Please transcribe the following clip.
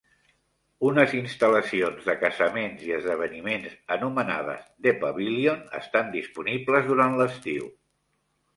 Unes instal·lacions de casaments i esdeveniments anomenades "The Pavillion" estan disponibles durant l'estiu.